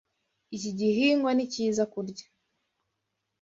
Iki gihingwa ni cyiza kurya.